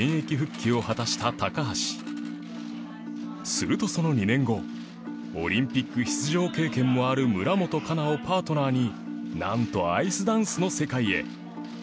するとその２年後オリンピック出場経験もある村元哉中をパートナーになんとアイスダンスの世界へ